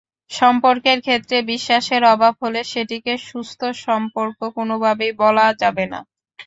সম্পর্কের ক্ষেত্রে বিশ্বাসের অভাব হলে সেটিকে সুস্থ সম্পর্ক কোনোভাবেই বলা যাবে না।